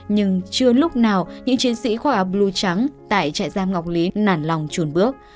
nhưng chưa lúc nào những chiến sĩ khoa học blue trắng tại trại giam ngọc lý nản lòng chuồn bước